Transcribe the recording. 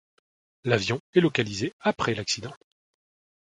L'avion est localisé après l'accident.